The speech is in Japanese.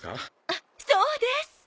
あっそうです！